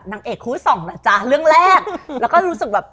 นางเอกคู่สองเหรอจ๊ะเรื่องแรกแล้วก็รู้สึกแบบ